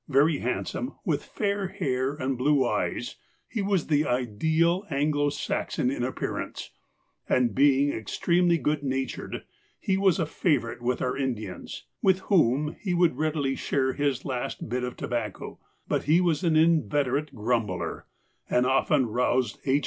Very handsome, with fair hair and blue eyes, he was the ideal Anglo Saxon in appearance, and, being extremely good natured, he was a great favourite with our Indians, with whom he would readily share his last bit of tobacco; but he was an inveterate grumbler, and often roused H.